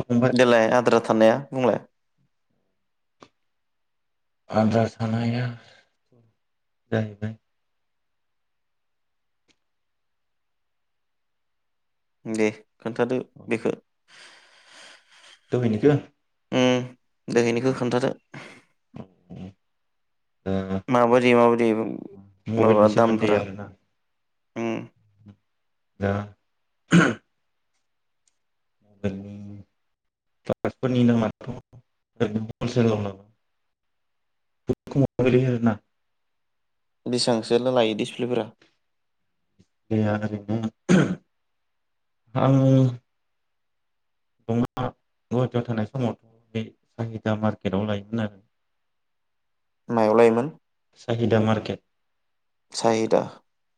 फंबाय देलाय आद्रा थानाया बुंलाय? आद्रा थानाया जाहैबाय। दे। खोन्थादो बेखो? दहायनिखो उम दोहैनिखौ खोन्थादो? उम माबायदि माबायदि माबा मबाइलनि सोमोन्दै दामफोरा? आरोना उम दा। [unintelligible] आरैनो हल सेलाव मोनो [unintelligible] बेसेबांसो लायो डिसप्लेफोरा? [unintelligible] आङो दङ' गुवाहाटियाव थानाय समावथ' बे साहिदा मार्केटआव लायोमोन आरो। मायाव लायोमोन? साहिदा मार्केट। साहिदा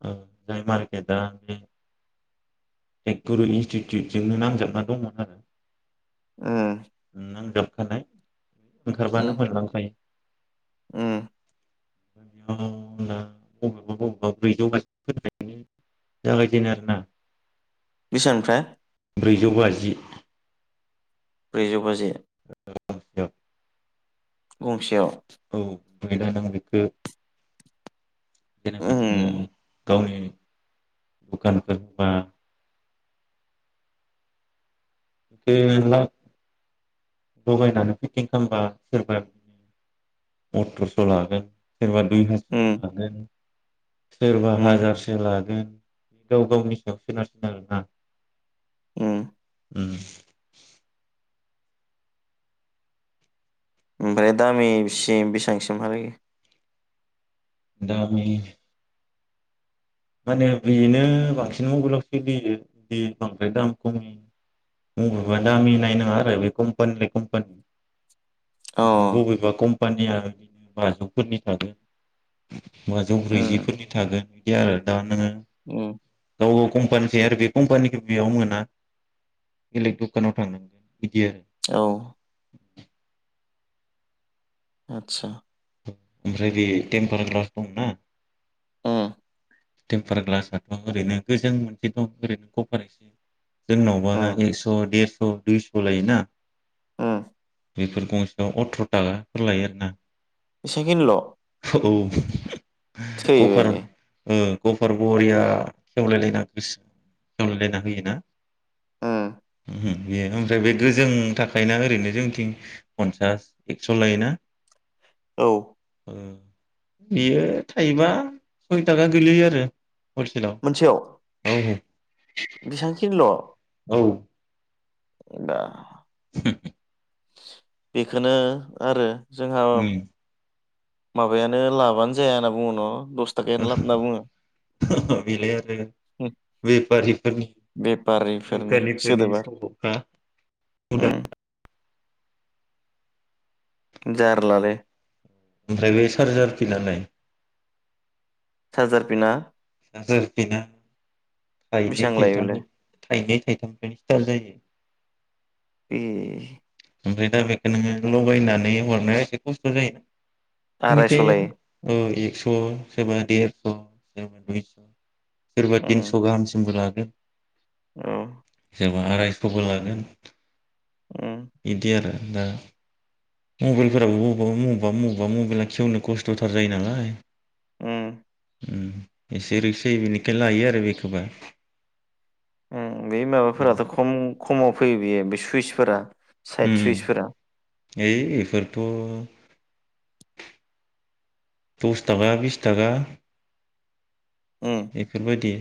ओ जाय मार केदा बे एक गुरु इनस्टिटिउटजोंनो नांजाबना दंमोन आरो उम नांजाबखानाय उम ओंखारबानो उम मोनलांखायो दा बेयाव बबेबा बबेबा ब्रैजौ बाजिफोरनिफ्रायनो जागायजेननो आरो ना। बेसेबांनिफ्राय ब्रैजौ बाजि? ब्रैजौ बाजि। गांसेयाव गंसेयाव औ [unintelligible] जेनेबा उम नोङो गावनि दखानफोरबा [unintelligible] लगायनानै फिटिं खालामबा सोरबा बिदिनो अथ्रस' लागोन। सोरबा दुइ उम हाजार होलांगोन। सोरबा उम हाजारसे लागोन बे गाव गावनि सायाव सोनारसिन आरोना। उम उम ओमफ्राय दामिसिम बेसिबांसिमहै? दामि माने बेनो बांसिन मबाइलाव सोलियो बे बांद्राय दाम खमि मबाइल आ दामि नायनाङा आरो बे कम्पानि लायै कम्पानि। अ ओमफ्राय बबेबा खम [unintelligible] बाजौफोरनि [unintelligible] बाजौ उम ब्रैजिफोरनि थागोन। बिदि आरो दा नोङो उम गाव गाव कम्पानि [unintelligible] आरो बे कम्पानिखो बेयाव मोना इलेक द'कानाव थांनां औ आतसा ओमफ्राय बे टेम्पार ग्लास दं ना? उम टेम्पार ग्लास आथ' ओरैनो गोजों मोनसे दं ओरैनो जोंनावबा उम एकस' देरस' दुइस' लायोना उम बेफोर गंसेयाव अथ्र'थाखा फोर लायो आरोना। एसांखिनिल' औ कभार थैबायलै ओ गफार बरिया खेवलायलायना खेवलायलायना होयो ना उम ओम बेयो होमफ्राय बे गोजों थाखायोना ओरैनो जोंथिं पनसास एक्स' लायोना औ ओ इयो थायबा सम थाखा गोलैयो आरो। हलसेलाव मोनसेयाव औ बेसांखिनिल' औ [unintelligible] होम बेखोनो आरो जोंहा उम माबायानो लाबानो जाया होना बुङो न' दस थाखायानो लाब होनना बुङो [inaudible] बेलाय आरो बे फारिफोरनि बेफारिफोरनि [inaudible] सोदोबा उम जारलालै ओमफ्राय बे चार्जार फिनालाय सारजार पिना [unintelligible] बेसेबां थाइनै लायो थामै बेलाय थाइनै थाइथाम फ्रायनो स्टार्ट जायो। ए ओमफ्राय दा बेखो नोङो लगायनानै हरनाया एसे खस्थ' आरायस' लायो जायो। [unintelligible] स' सोरबा देरस' सोरबा दुइस' सोरबा तिनस' उम गाहामसिमबो [unintelligible] [inaudible] औ जबा आरायस'बो लागोन। उम बिदि आरो दा मबाइलफोराबो मबेबा-मबेबा-मबेबा मबाइला खेवनो खस्थ' थार जायो नालाय। उम। उ एसे रिक्स बेनिखायनो लायो आरो बेखौबा। उ बै उम माबाफोराथ' खम खमाव फैयो बियो। बे सुइसफोरा। साइद उम सुइसफोरा है बेफोर। थ'। दस थाखा बिस थाखा। उम बेफोरबायदि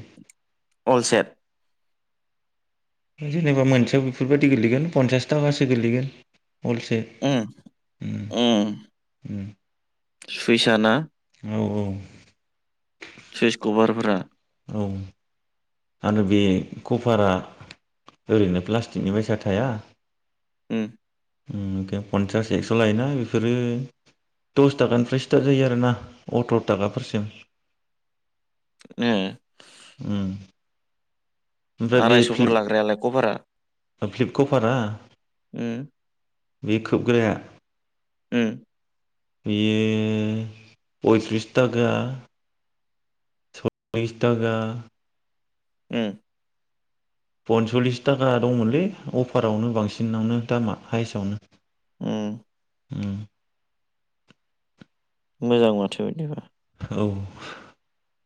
अलसेद। जेनेबा मोनसेयाव बेफोर बायदि गोलैगोन पनसास थाखासो गोलैगोन। अलसेथ उम उम उम। सुइसाना। औ सुइस खबार। फुरा। औ आरो बे कभारा ओरैनो प्लास्टिकनि बायसा थाया। उम। पन्सास एक्स' लायोना बेफोरो दस थाखानिफ्राय स्टार्ट जायो आरोना अथ्र' थाखाफोरसिम। ए। उम। ओमफ्राय बे आरायस'फोर फ्लिप- लाग्रायालाय कभारा फ्लिपकपारा उम बे खोबग्राया। ओ। बियो पयथ्रिस थाखा। बिस थाखा। उम। पनसलिस थाखा दंमोनलै अफारावनो बांसिनावनो दामा हायेस्टआवनो। उम। उम। मोजां माथो बिदिबा। औ।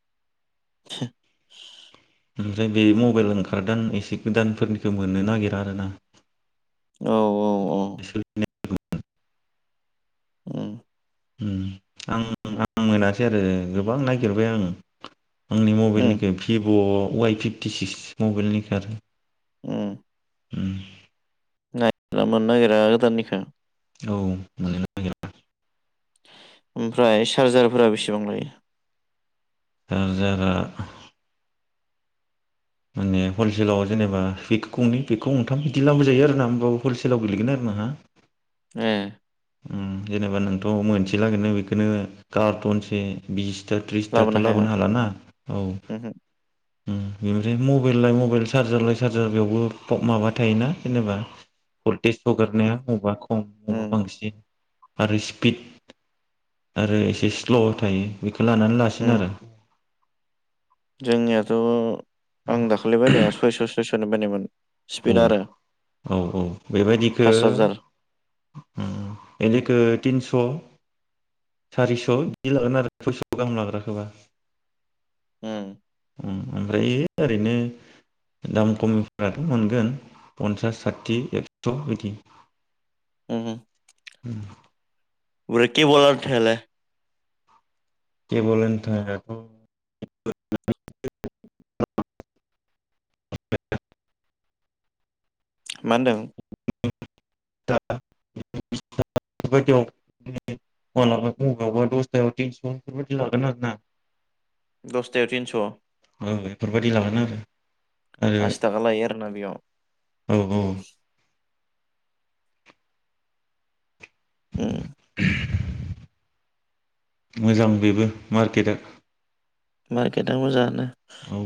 [inaudible] ओमफ्राय बे मबाइल ओंखारदों एसे गोदानफोरनिखौ मोननो नागिरा आरोना। औ औ औ। सोलिनाय। उम। उम आं आं मोनासै आरो गोबां नागिरबाय आं। आंनि उम मबाइलनिखो भिभ'। वाइ फिफ्टि सिक्स मबाइलनि खारो। उम। उम। नागिरना मोननो नागिरा गोदाननिखौ। औ मोननो नागिरा। ओमफ्राय चार्जारफोरा बेसेबां लायो? चार्जारा। माने हलसेलाव जेनेबा हेख खंनि बेगखौ गंथाम बिदि लाबोजायो आरोना होमबाबो हलसेलाव गोलैगोन आरो नोंहा। ओ उम जेनेबा नोंथ' मोनसेलागैनो बेखौनो कार्टन से बिस था‌ थ्रिसथा थ' लाबोनो हाला ना औ उमहो उम बिनिफ्राय मबाइल लाय मबाइल सार्जार लाइ सार्जार बेयावबो फ माबा थायोना जेनेबा थेस हगारनाया उम बबबा खम बबबा उम बांसिन आरो सिपिद आरो एसे स्ल' थायो बेखौ लानानै लासिन उम आरो। जोंनियाथ' आं दाखालै बायनाया सयस' सयस' आनो बायनायमोन। औ स्पिड आरो औ औ बेबायदिखो पास हाजार उम इदोखो‌ थिनस खौ सारिस' बिदि लागोन आरो सयस' गाहाम लाग्रा खौबा उम ओरैनो दाम खमनि फा मोनगोन पन्सास साथि एक्स' बिदि उम ओब्राय केबल आथायालाय? केबल आनथायाथ [unintelligible] मानदों? [unintelligible] दस थायाव थिनस' बेफोरबायदि लागोन आरोना। दसथायाव थिनस' बेफोरबायदि लागोन आरो आरो आस थाखा लायो आरो ना बेयाव औ औ उम [unintelligible] मोजां बेबो मार्केटआ मार्केटआ मोजांआनो। औ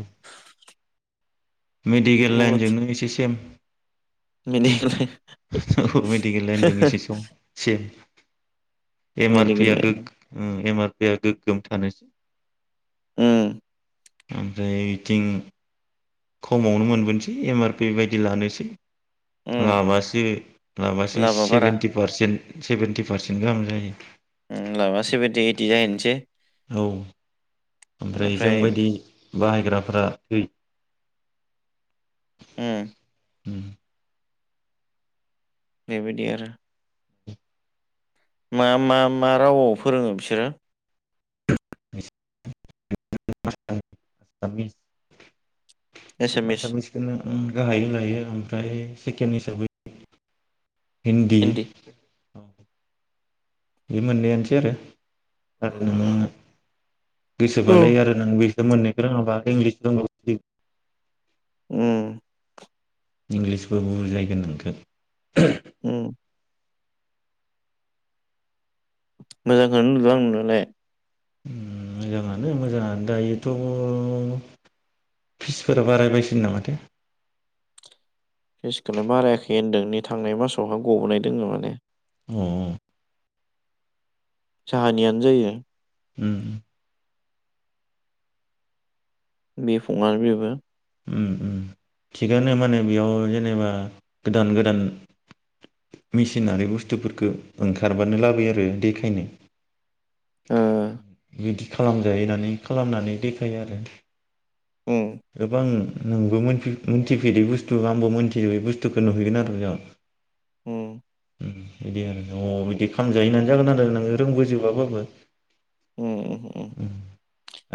मेडिकेल लाइन बुहुद जोंनो एसे सेम। [unintelligible] औ मेडिकेल लाइनजों एसे सम से एम आर मेडिकेल पिया लाइन गोग एम आर या गोग्गोम थानोस उम ओमफ्राय इथिं खमावनो मोनबोनोसै एम आर पि बायदि लानोसै। उम लाबासो लाबासो लाबा बारा सेभेेन्टि पारसेन्ट सेभेन्टि पारसेन्ट गाहाम जायो। उम लाबा सेभेेनटि ओइथटि जाहैसै। औ ओमफ्राय जोंबायदि बाहायग्राफोरा थै। उम उम बेबायदि आरो मा मा मा रावआव फोरोङो बिसोरो? [unintelligible] आसामिस। एसामिस आसामिसखौनो उम गाहायै लायो आरो उम। ओमफ्राय सेकेेन हिसाबै हिन्दि हिन्दी औ बे मोन्नैयानोसै आरो। आरो नोङो औ गोसोबालाय आरो नों बे बे मोननैखौ रोङाबा इंलिस रोंबाबो सोलियो। उम इंलिसबो बुजायगोन नोंखो। उम मोजांखौनो नुदों आं नुनायालाय। उम मोजाङानो मोजाङानो दायोथ' फिसफोरा बारायबायसो नामाथाय? फिसखौलाय बारायाखै होनदों नै थांनाय मासावहाय ग'बोनाय दङ माने। उम उम जाहानियानो जायो। उम बिफंआनो बेबो। उम उम थिगानो माने बेयाव जेनेबा गोदान गोदान मेसिनारि बुस्थुफोरखौ ओंखारबानो लाबोयो आरो देखायनो। उम बिदि खालामजायो होननानै खालामनानै देखायो आरो। उम गोबां नोंबो मोनथिफेरै बुस्थु आंबो मोनथिजोबै बुस्थुखौ नुहैगोन आरो बेयाव। उम ओ बिदि आरो अ' बिदि खामजायो होनना जागोन आरो नोङो रोंबोजोबाबाबो उम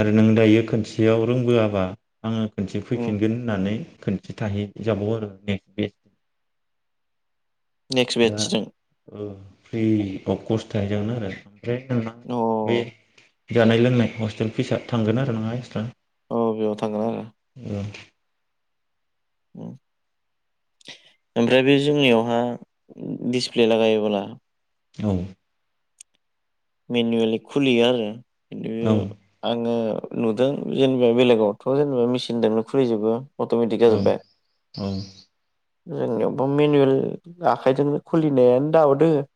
आरो नों दायो खोनसेयाव रोंबोआबा आङो खनसे उम, फैफिनगोन होननानै खोनसे थाहैजाबावो आरो नेक्स्ट बेस्ट। नेक्स्ट दा बेटसजों ओ फ्रियै। अब कर्स थाहै जागोन आरो ओमफ्राय नोंना बे अ जानाय लोंनाय हस्टेल फिसआ थांगोन आरो नोंहा एसट्रा। औ बेयाव थांगोन आरो। उम ओमफ्राय बे जोंनियावहा दिसप्ले लागायोब्ला औ मेनुवेलि खुलियो आरो बेदि आङो नुदों जेनेबा बेलेगावथ जोंङो मेसिनजोंनो खुलिजोबो। अत'मिटिख औ जाजोबबाय। औ जोंनियावबो मेनुयेल आखाइजोंनो खुलिनायानो दाबो दोंङो।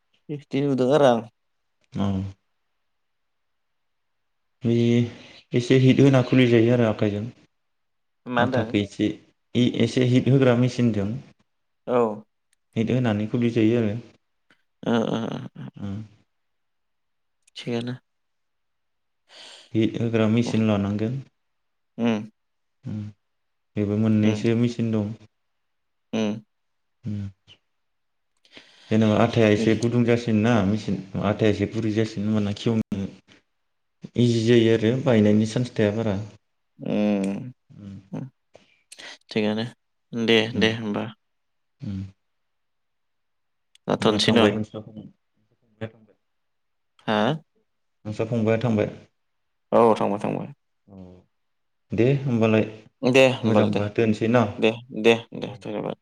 [unintelligible] नुदों आरो आं औ बैयो एसे हिट होना खुलि जायो आरो आखाइजों। मा होनदों आथाखौ एसे इ एसे हिट होग्रा मेसिनजों औ हेट होनानै खुलै जायो आरो। ओ उम थिगानो हिट होग्रा उम मेचिन लानांगोन। उम उम बेबो मोननैसो मेचिन दं। उम उम जेनेबा आथाया उम एसे गुदुं जासिन ना आथाया इसे गुरै जासिगनो होमबाना खेवनो इजि जायो आरो बायनायनि सान्स थाया बारा ओम उम थिगानो दे उम दे होमबा उम ना जाथ'नोसै न' थांबाय [unintelligible] [unintelligible] हा? नोंसोर फंबाया थांबाय? औ थांबाय थांबाय। अ दे होमबालाय दे होमबाल मोजांबा दोनसै ना दे-दे दे-दे औ दे। धन्यबाद।